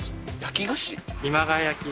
今川焼き？